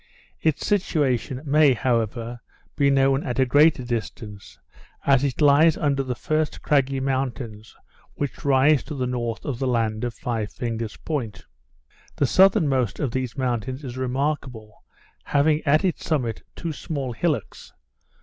Its situation may, however, be known at a greater distance, as it lies under the first craggy mountains which rise to the north of the land of Five Fingers Point. The southernmost of these mountains is remarkable, having at its summit two small hillocks.